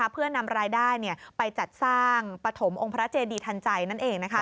เพื่อนำรายได้ไปจัดสร้างปฐมองค์พระเจดีทันใจนั่นเอง